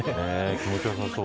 気持ちよさそう。